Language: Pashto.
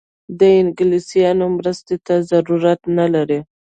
د انګلیسیانو مرستې ته ضرورت نه لري.